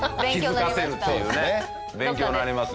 勉強になりますね